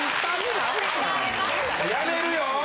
辞めるよ。